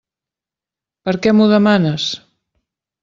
Per què m'ho demanes?